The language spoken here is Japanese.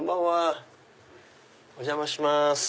お邪魔します。